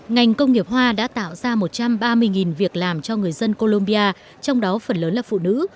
ngành công nghiệp hoa đã tạo ra một trăm ba mươi việc làm cho người dân colombia trong đó phần lớn là phụ nữ